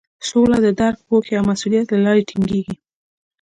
سوله د درک، پوهې او مسولیت له لارې ټینګیږي.